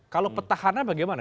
kalau petahana bagaimana